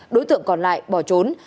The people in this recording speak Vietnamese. đối tượng còn lại bỏ trốn